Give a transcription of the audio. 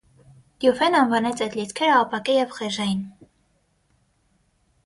Դյուֆեն անվանեց այդ լիցքերը «ապակե» և «խեժային»։